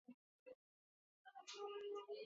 The posting rule applies only to acceptance.